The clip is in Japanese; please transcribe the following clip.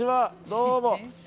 どうも。